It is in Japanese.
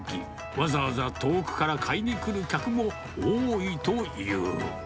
わざわざ遠くから買いに来る客も多いという。